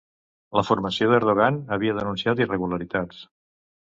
La formació d'Erdogan havia denunciat irregularitats